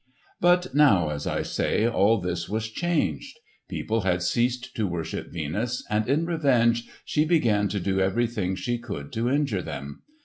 But now, as I say, all this was changed. People had ceased to worship Venus, and in revenge she began to do everything she could to injure them.